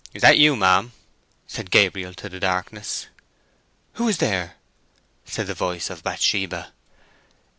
"Is that you, ma'am?" said Gabriel to the darkness. "Who is there?" said the voice of Bathsheba.